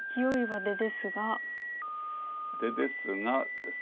出ですがです。